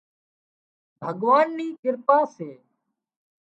ڀڳوانَ نِي ڪرپا سي